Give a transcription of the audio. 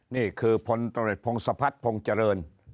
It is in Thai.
นี่คือพลตรวจพงศพัฒนพงษ์เจริญ